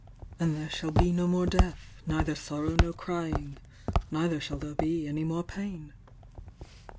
... And there shall be no more death, neither sorrow nor crying, neither shall there be any more pain.'